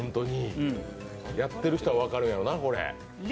やってる人は分かるやろうな、これ。